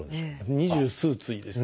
二十数対ですね。